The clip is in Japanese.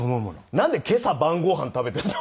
なんで今朝晩ご飯食べてんの？